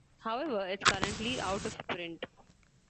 However, it's currently out of print.